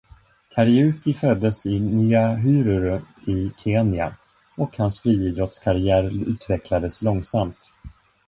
Kariuki föddes i Nyahururu i Kenya, och hans friidrottskarriär utvecklades långsamt.